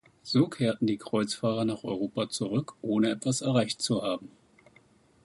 So kehrten die Kreuzfahrer nach Europa zurück, ohne etwas erreicht zu haben.